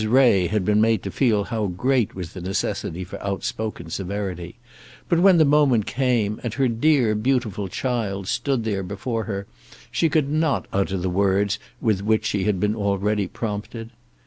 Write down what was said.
Ray had been made to feel how great was the necessity for outspoken severity; but when the moment came, and her dear beautiful child stood there before her, she could not utter the words with which she had been already prompted.